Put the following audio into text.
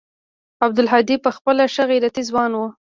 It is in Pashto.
عبدالهادي پخپله ښه غيرتي ځوان و.